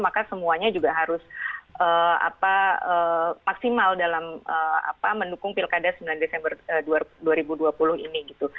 maka semuanya juga harus maksimal dalam mendukung pilkada sembilan desember dua ribu dua puluh ini gitu